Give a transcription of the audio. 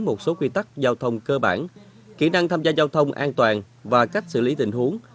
một số quy tắc giao thông cơ bản kỹ năng tham gia giao thông an toàn và cách xử lý tình huống